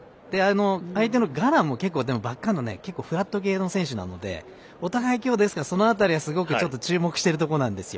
相手のガランもバックハンド、フラット系の選手なのでお互い、今日、その辺りは注目しているところなんですよ。